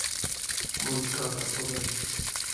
Монськак а содан.